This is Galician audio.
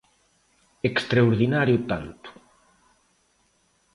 Extraordinario tanto.